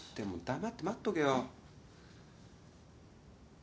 黙って待っとけよ。